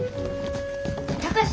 貴司